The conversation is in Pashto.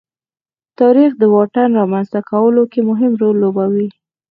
تاریخ د واټن رامنځته کولو کې مهم رول لوبوي.